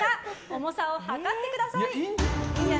重さを量ってください！